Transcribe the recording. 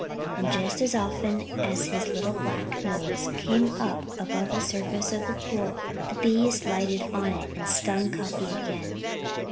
And just as often as his little black nose came up above the surface of the pool the bees lighted on it and stung Cuffy again.